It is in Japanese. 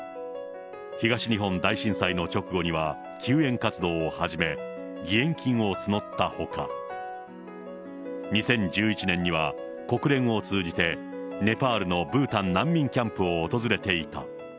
東日本大震災の直後には救援活動を始め、義援金を募ったほか、２０１１年には国連を通じて、ネパールのブータン難民キャンプを訪れていた。